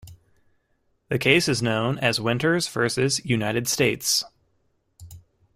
The case is known as "Winters versus United States".